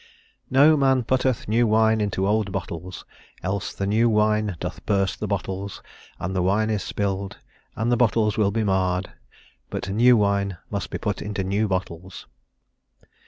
"No man putteth new wine into old bottles, else the new wine doth burst the bottles, and the wine is spilled, and the bottles will be marred; but new wine must be put into new bottles."